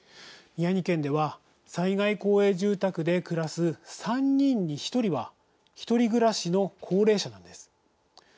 宮城県では災害公営住宅で暮らす３人に１人は１人暮らしの高齢者なんです。